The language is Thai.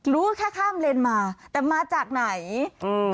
รู้แค่ข้ามเลนมาแต่มาจากไหนอืม